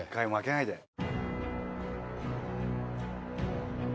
負けないで。